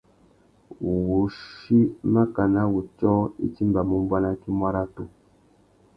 Wuchí makana wutiō i timbamú mubanaki muaratu.